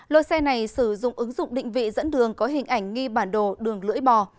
lô xe này sử dụng ứng dụng định vị dẫn đường có hình ảnh nghi bản đồ đường lưỡi bò